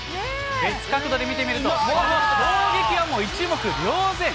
別角度で見てみると、この衝撃はもう一目瞭然。